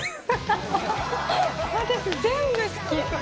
私、全部好き。